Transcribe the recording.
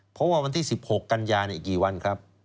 เพราะว่าวันที่๑๖กันยาอีกกี่วันครับ